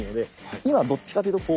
今どっちかというとこう全体的に。